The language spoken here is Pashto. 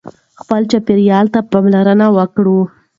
خپل چاپېریال ته پاملرنه وکړئ.